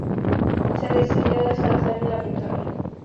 Se dedicó a descansar y la pintura.